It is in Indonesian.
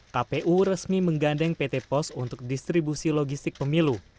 kpu resmi menggandeng pt pos untuk distribusi logistik pemilu